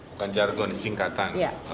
bukan jargon singkatan